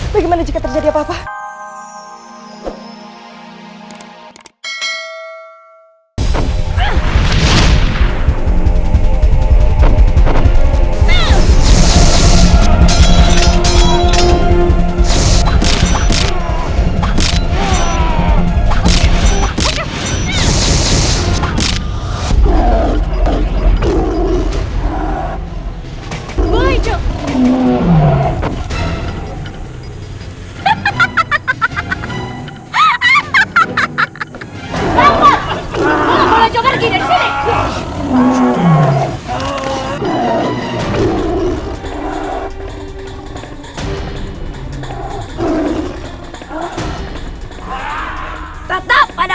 bagaimana jika terjadi apa apa